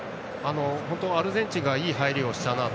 本当にアルゼンチンがいい入りをしたなと。